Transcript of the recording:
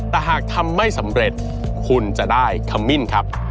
แต่หากทำไม่สำเร็จคุณจะได้ขมิ้นครับ